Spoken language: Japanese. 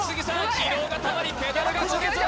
疲労がたまりペダルがこげず！